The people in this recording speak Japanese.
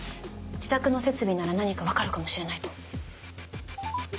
自宅の設備なら何か分かるかもしれないと。